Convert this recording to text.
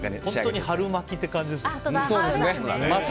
本当に春巻きって感じですね。